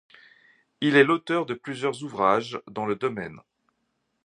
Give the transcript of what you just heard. Il est l'auteur de plusieurs ouvrages dans le domaine.